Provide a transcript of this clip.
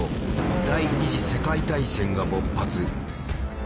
第二次世界大戦が勃発。